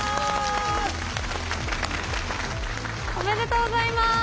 おめでとうございます。